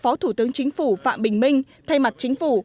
phó thủ tướng chính phủ phạm bình minh thay mặt chính phủ